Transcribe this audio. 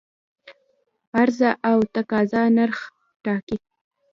عرضه او تقاضا نرخ ټاکي